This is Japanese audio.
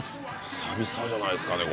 久々じゃないですかね